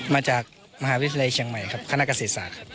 มาจากมหาวิทยาลัยเชียงใหม่ครับคณะเกษตรศาสตร์ครับ